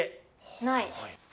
ない。